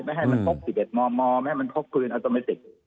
ไม่ให้มันพกสิเบ็ดมอมมอมไม่ให้มันพกพื้นอัตโมเมติก